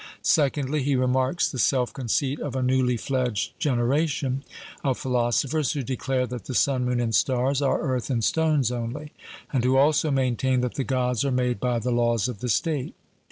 Secondly, he remarks the self conceit of a newly fledged generation of philosophers, who declare that the sun, moon, and stars, are earth and stones only; and who also maintain that the Gods are made by the laws of the state.